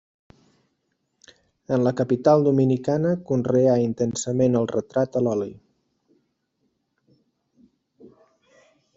En la capital dominicana conreà intensament el retrat a l'oli.